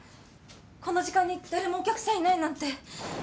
この時間に誰もお客さんいないなんて。